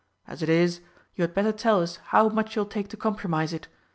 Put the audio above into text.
As it is, you had better tell us how much you'll take to compromise it.